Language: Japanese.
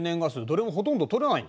どれもほとんど採れないんだ。